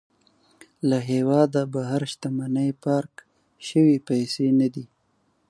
له هېواده بهر شتمني پارک شوې پيسې نه دي.